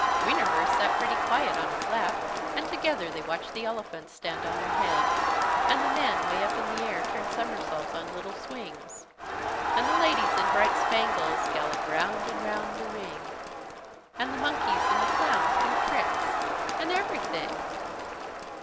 Wienerwurst sat pretty quiet on his lap and together they watched the elephants stand on their heads, and the men way up in the air turn somersaults on little swings, and the ladies in bright spangles gallop round and round the ring, and the monkeys and the clowns do tricks and everything.